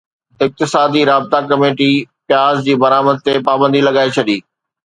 اقتصادي رابطا ڪميٽي پياز جي برآمد تي پابندي لڳائي ڇڏي